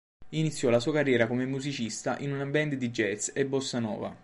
Iniziò la sua carriera come musicista in una band di jazz e bossa nova.